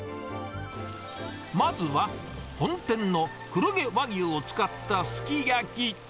まずは本店の黒毛和牛を使ったすき焼。